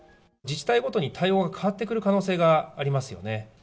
自治体ごとに対応が変わってくる可能性がありますよね。